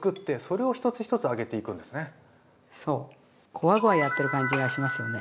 こわごわやってる感じがしますよね。